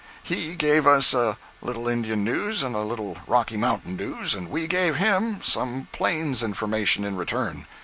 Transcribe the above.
He gave us a little Indian news, and a little Rocky Mountain news, and we gave him some Plains information in return.